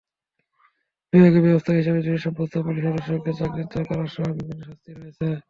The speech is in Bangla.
বিভাগীয় ব্যবস্থা হিসেবে দোষী সাব্যস্ত পুলিশ সদস্যকে চাকরিচ্যুত করাসহ বিভিন্ন শাস্তি রয়েছে।